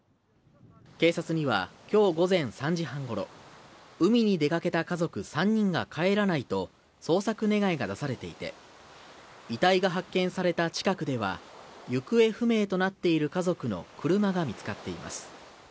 警察にはきょう午前３時半ごろ、海に出かけた家族３人が帰らないと、捜索願が出されていて、遺体が発見された近くでは、行方不明となっている家族の車が見つかっています。